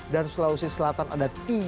dan di sulawesi selatan ada tiga